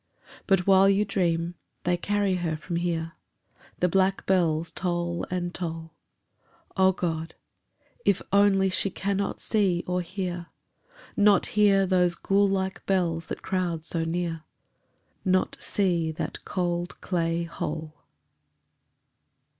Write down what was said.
But while you dream, they carry her from here, The black bells toll and toll. Oh God! if only she cannot see or hear, Not hear those ghoul like bells that crowd so near, Not see that cold clay hole.